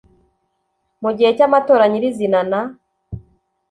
mu gihe cy amatora nyirizina na